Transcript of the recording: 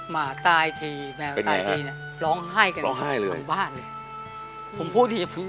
มาตายทีแผ่นตายทีน่ะล้องไห้กันค่ะของบ้านนี่ผมพูดงี่แล้วภูมิ